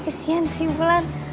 kesian sih ulan